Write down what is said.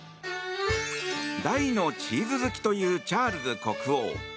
大のチーズ好きというチャールズ国王。